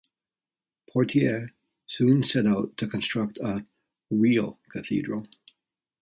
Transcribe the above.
Portier soon set out to construct a "real" cathedral.